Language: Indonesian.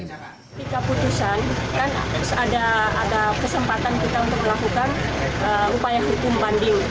ketika putusan kan ada kesempatan kita untuk melakukan upaya hukum banding